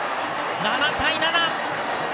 ７対７。